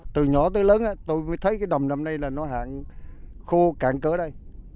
từ nhỏ tới lớn tôi mới thấy đầm này nó hạn khô cạn cỡ đây